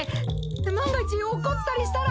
万が一落っこちたりしたら。